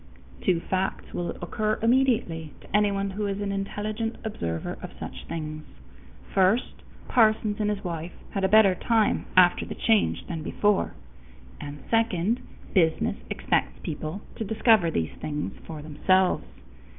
Two facts will occur immediately to anyone who is an intelligent observer of such things: first, Parsons and his wife had a better time after the change than before; and second, business expects people to discover these things for themselves.